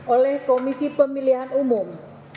oleh komisi pemilihan umum